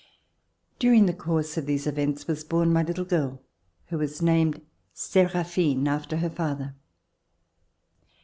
During the course of these events was born my little girl who was named Seraph ine, after her father.